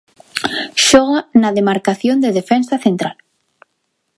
Xoga na demarcación de defensa central.